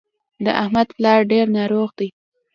د احمد پلار ډېر ناروغ دی.